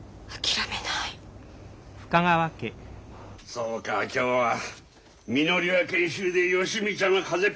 そうか今日はみのりが研修で芳美ちゃんが風邪っ